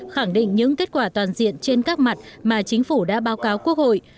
khẳng định những kết quả toàn diện trên các mặt mà chính phủ đã báo cáo quốc hội